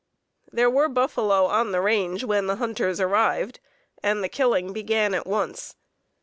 There were buffalo on the range when the hunters arrived, and the killing began at once.